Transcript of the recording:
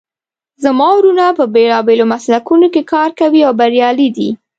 زما وروڼه په بیلابیلو مسلکونو کې کار کوي او بریالي دي